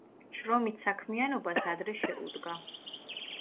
შრომით საქმიანობას ადრე შეუდგა.